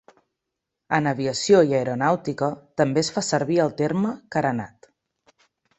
En aviació i aeronàutica, també es fa servir el terme carenat.